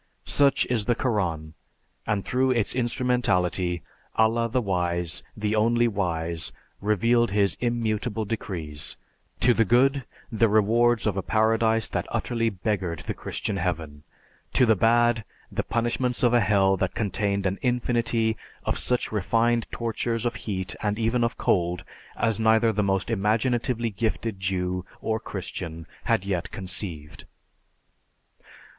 Such is the Koran, and through its instrumentality, Allah the Wise, The Only Wise, revealed his immutable decrees: to the good, the rewards of a Paradise that utterly beggared the Christian Heaven; to the bad, the punishments of a Hell that contained an infinity of such refined tortures of heat, and even of cold as neither the most imaginatively gifted Jew or Christian had yet conceived.